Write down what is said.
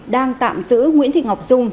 đang tạm giữ nguyễn thị ngọc dung